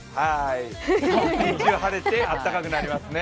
日中、晴れて温かくなりますね。